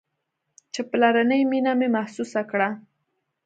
چې پلرنۍ مينه مې محسوسه کړه.